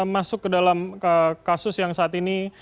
masuk ke dalam kasus yang saat ini